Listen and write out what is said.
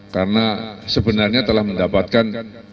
karena sebenarnya telah mendapatkan